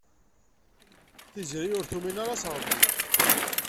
Tiziri ur tumin ara s Ṛebbi.